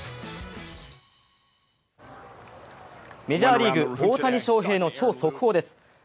メジャーリーグ、大谷翔平の超速報です。